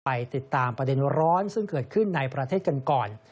ไปติดตามประเด็นร้อนซึ่งเกิดขึ้นในประเทศกันก่อน